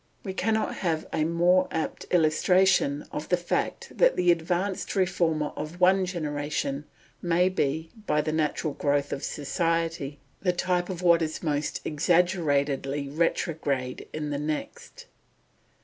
We cannot have a more apt illustration of the fact that the advanced reformer of one generation may become, by the natural growth of society, the type of what is most exaggeratedly retrograde in the next.